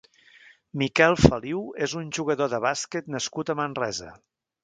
Miquel Feliu és un jugador de bàsquet nascut a Manresa.